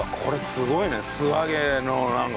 すごいね！